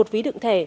một ví đựng thẻ